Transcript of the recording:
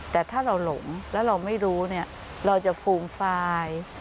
แต่ถ้าเราหลงแล้วเราไม่รู้เนี่ยเราจะฟูมฟาย